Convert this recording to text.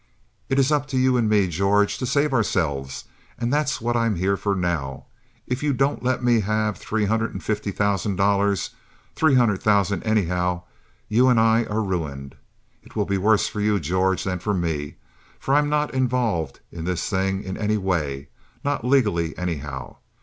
It is up to you and me, George, to save ourselves, and that's what I'm here for now. If you don't let me have three hundred and fifty thousand dollars—three hundred thousand, anyhow—you and I are ruined. It will be worse for you, George, than for me, for I'm not involved in this thing in any way—not legally, anyhow.